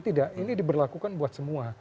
tidak ini diberlakukan buat semua